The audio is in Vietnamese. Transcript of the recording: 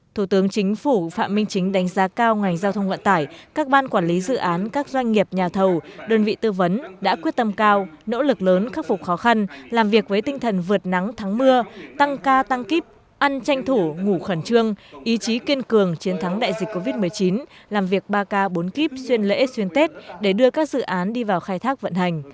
thủ tướng chính phủ phạm minh chính đánh giá cao ngành giao thông vận tải các ban quản lý dự án các doanh nghiệp nhà thầu đơn vị tư vấn đã quyết tâm cao nỗ lực lớn khắc phục khó khăn làm việc với tinh thần vượt nắng thắng mưa tăng ca tăng kíp ăn tranh thủ ngủ khẩn trương ý chí kiên cường chiến thắng đại dịch covid một mươi chín làm việc ba ca bốn kíp xuyên lễ xuyên tết để đưa các dự án đi vào khai thác vận hành